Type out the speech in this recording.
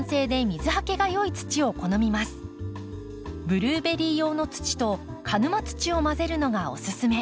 ブルーベリー用の土と鹿沼土を混ぜるのがおすすめ。